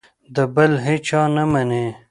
د بل هېچا نه مني.